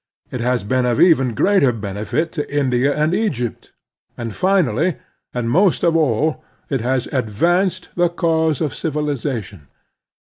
It has been of even greater benefit to India and Egypt. And finally, and most of all, it has advanced the cause N |[ of civilization.